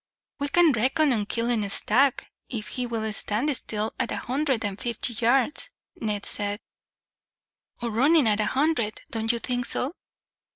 "We can reckon on killing a stag, if he will stand still, at a hundred and fifty yards," Ned said, "or running, at a hundred. Don't you think so?"